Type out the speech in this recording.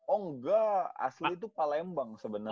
oh nggak asli tuh palembang sebenernya